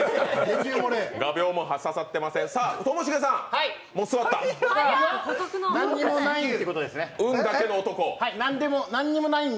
画びょうも刺さってません。